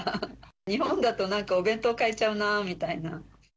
日本だと、なんかお弁当買えちゃうなみたいな。